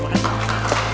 terima kasih pak